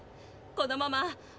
このまま。